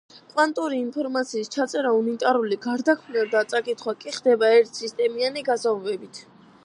კვანტური ინფორმაციის ჩაწერა, უნიტარული გარდაქმნა და წაკითხვა კი ხდება ერთ სისტემიანი გაზომვებით.